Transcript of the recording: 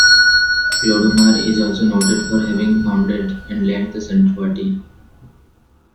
Clodumar is also noted for having founded and led the Centre Party.